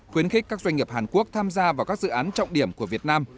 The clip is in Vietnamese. khuyến khích các doanh nghiệp hàn quốc tham gia vào các dự án trọng điểm của việt nam